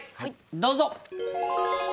どうぞ！